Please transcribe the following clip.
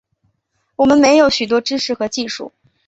我们没有许多知识和技术